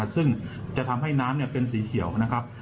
ซึ่งจะทำให้น้ำเป็นสีเขียวนะครับ